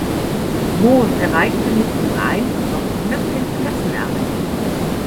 Moors erreichte mit dem Verein noch knapp den Klassenerhalt.